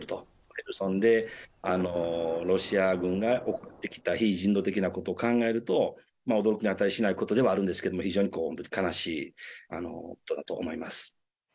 ヘルソンでロシア軍が行ってきた非人道的なことを考えると、驚きに値しないことではあるんですけれども、非常に悲しいことだと思います。